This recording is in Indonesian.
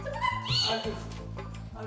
cepet lagi iki cepet aman